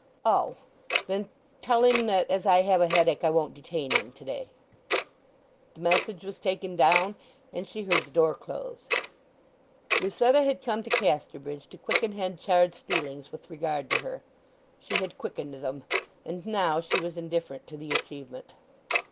"Oh! Then tell him that as I have a headache I won't detain him to day." The message was taken down, and she heard the door close. Lucetta had come to Casterbridge to quicken Henchard's feelings with regard to her. She had quickened them, and now she was indifferent to the achievement.